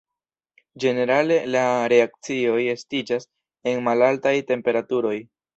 Ĝenerale la reakcioj estiĝas en malaltaj temperaturoj.